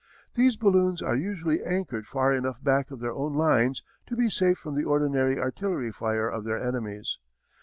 These balloons are usually anchored far enough back of their own lines to be safe from the ordinary artillery fire of their enemies.